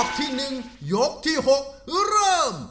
รอบที่หนึ่งยกทีหกเริ่ม